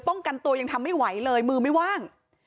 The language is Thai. กันตัวยังทำไม่ไหวเลยมือไม่ว่าง